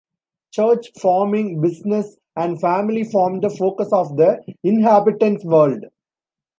Church, farming, business, and family formed the focus of the inhabitants' world.